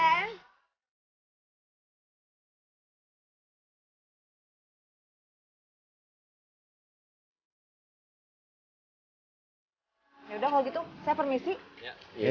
acing kos di rumah aku